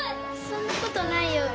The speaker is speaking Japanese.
そんなことないよ。